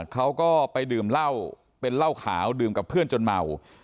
เขาก็ไปดื่มเหล้าเป็นเหล้าขาวดื่มกับเพื่อนจนเมา